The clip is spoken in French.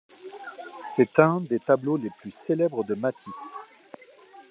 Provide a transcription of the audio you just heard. C’est un des tableaux les plus célèbres de Matisse.